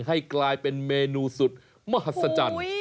ให้กลายเป็นเมนูสุดมหัศจรรย์